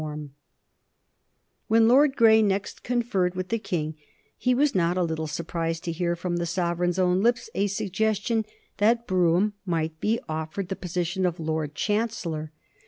[Sidenote: 1830 Brougham as Lord Chancellor] When Lord Grey next conferred with the King he was not a little surprised to hear from the sovereign's own lips a suggestion that Brougham might be offered the position of Lord Chancellor.